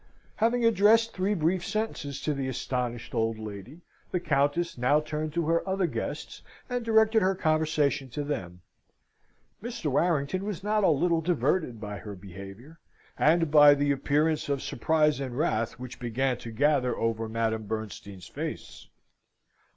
Having addressed three brief sentences to the astonished old lady, the Countess now turned to her other guests, and directed her conversation to them. Mr. Warrington was not a little diverted by her behaviour, and by the appearance of surprise and wrath which began to gather over Madame Bernstein's face.